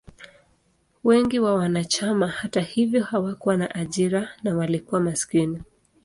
Wengi wa wanachama, hata hivyo, hawakuwa na ajira na walikuwa maskini.